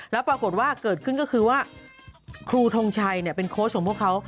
แล้วปรากฏว่าเกิดขึ้นก็คือว่าครูทงชัยเป็นโค้ชของพวกเขา